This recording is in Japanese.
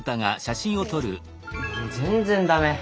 全然駄目。